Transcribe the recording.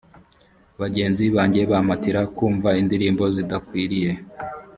bagenzi banjye bampatira kumva indirimbo zidakwiriye